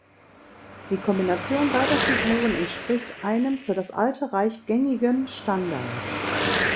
Die Kombination beider Figuren entspricht einem für das Alte Reich gängigen Standard.